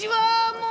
もう。